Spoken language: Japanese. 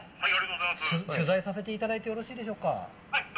取材させていただいてよろしいでしょうか。